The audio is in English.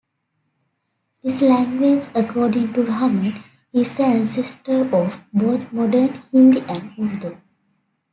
This language, according to Rahman, is the ancestor of both modern Hindi and Urdu.